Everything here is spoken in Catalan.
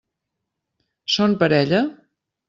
Són parella?